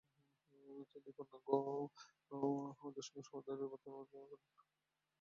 তাই তিনিই পূর্ণাঙ্গ দশমিক সংখ্যা পদ্ধতি প্রবর্তনের কৃতিত্বের দাবিদার।